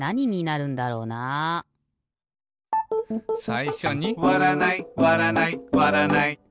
さいしょに「わらないわらないわらない」